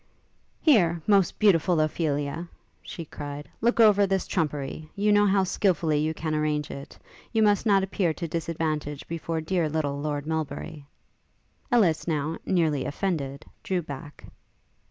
'Here, most beautiful Ophelia!' she cried, 'look over this trumpery. You know how skilfully you can arrange it. You must not appear to disadvantage before dear little Lord Melbury.' Ellis now, nearly offended, drew back.